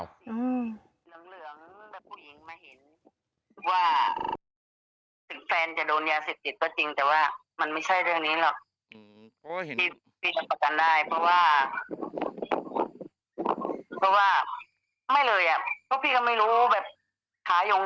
หลังเหลืองผู้หญิงมาเห็นว่าแฟนจะโดนยาเสพติดก็จริง